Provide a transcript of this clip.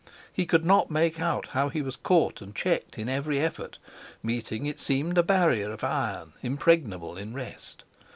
He could not make out how he was caught and checked in every effort, meeting, it seemed, a barrier of iron impregnable in rest.